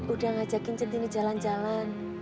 udah ngajakin cetini jalan jalan